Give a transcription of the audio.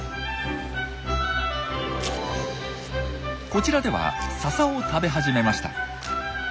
こちらではササを食べ始めました。